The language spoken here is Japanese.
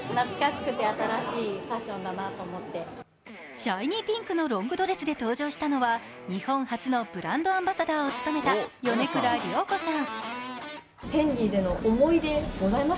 シャイニーピンクのロングドレスで登場したのは、日本初のブランドアンバサダーを務めた米倉涼子さん。